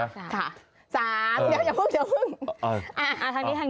ค่ะ๓เดี๋ยวพึ่งอ่าลุกเดี๋ยวเชิญ